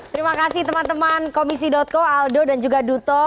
terima kasih teman teman komisi co aldo dan juga duto